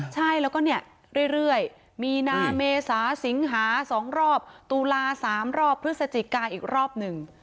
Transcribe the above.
ใช่แล้วก็เนี่ยเรื่อยมีนาเมษาสิงหา๒รอบตุลา๓รอบพฤศจิกาอีกรอบหนึ่ง